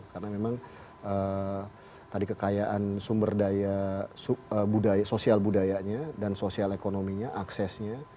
karena memang tadi kekayaan sumber daya sosial budayanya dan sosial ekonominya aksesnya